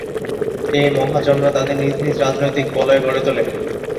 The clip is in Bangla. এ মহাজনরা তাদের নিজ নিজ রাজনৈতিক বলয় গড়ে তোলে।